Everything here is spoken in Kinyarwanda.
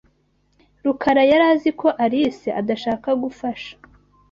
Rukara yari azi ko Alice adashaka gufasha.